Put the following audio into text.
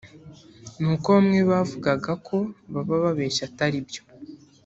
ni uko bamwe bavugaga ko baba babeshya atari byo